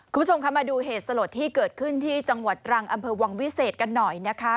คุณผู้ชมคะมาดูเหตุสลดที่เกิดขึ้นที่จังหวัดตรังอำเภอวังวิเศษกันหน่อยนะคะ